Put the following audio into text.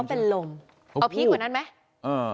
เอาพีคกว่านั้นไหม